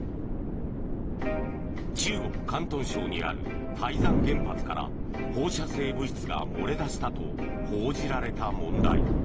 中国・広東省にある台山原発から放射性物質が漏れ出したと報じられた問題。